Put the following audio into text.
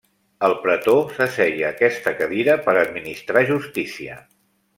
El pretor s'asseia a aquesta cadira per administrar justícia.